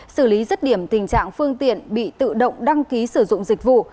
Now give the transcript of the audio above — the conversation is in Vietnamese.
xử lý rứt điểm tình trạng phương tiện bị tự động đăng ký sử dụng dịch vụ